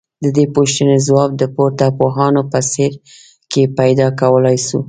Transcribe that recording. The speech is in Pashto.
ددې پوښتني ځواب د پورته پوهانو په څېړنو کي پيدا کولای سو